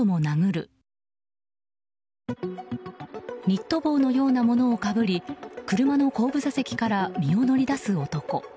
ニット帽のようなものをかぶり車の後部座席から身を乗り出す男。